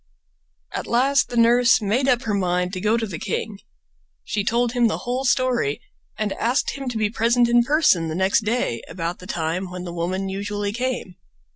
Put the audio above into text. At last the nurse made up her mind to go to the king. She told him the whole story and asked him to be present in person the next day about the time when the woman usually came.